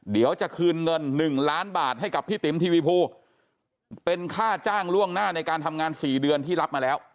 เดี๋ยวจะคืนเงิน๑ล้านบาทให้กับพี่ติ๋มทีวีภูเป็นค่าจ้างล่วงหน้าในการทำงาน๔เดือนที่รับมาแล้ว